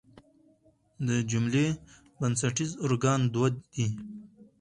د جملې بنسټیز ارکان دوه دي.